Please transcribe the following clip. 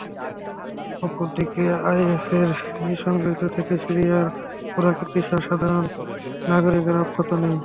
অপর দিকে আইএসের নৃশংসতারহাত থেকে সিরিয়ার পুরাকীর্তিসহ সাধারণ নারগরিকেরা অক্ষত নেই।